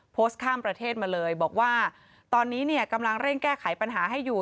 โพสต์ข้ามประเทศมาเลยบอกว่าตอนนี้เนี่ยกำลังเร่งแก้ไขปัญหาให้อยู่